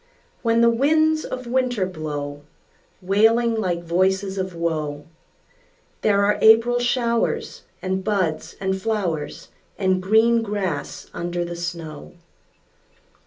When the winds of winter blow, Wailing like voices of woe, There are April showers, And buds and flowers, And green grass under the snow.